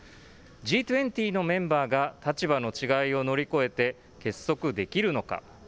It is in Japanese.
Ｇ２０のメンバーが立場の違いを乗り越えて、結束できるのか。